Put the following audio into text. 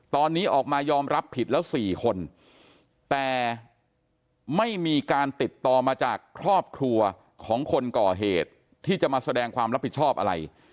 ตอนนี้ออกมายอมรับผิดแล้ว๔คนแต่ไม่มีการติดต่อมาจากครอบครัวของคนก่อเหตุที่จะมาแสดงความรับผิดชอบอะไร